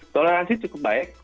toleransi cukup baik